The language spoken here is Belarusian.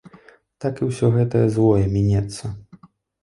Так і ўсё гэтае злое мінецца.